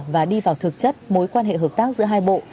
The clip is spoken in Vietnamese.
và đi vào thực chất mối quan hệ hợp tác giữa hai bộ